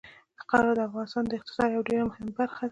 خاوره د افغانستان د اقتصاد یوه ډېره مهمه برخه ده.